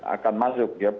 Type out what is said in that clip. akan masuk ya